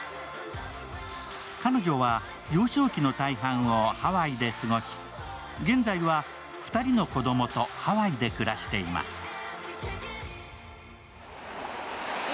彼女は幼少期の大半をハワイで過ごし現在は２人の子供とハワイで暮らしています。